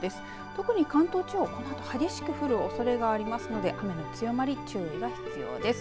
特に関東地方、このあと激しく降るおそれがありますので雨の強まり、注意が必要です。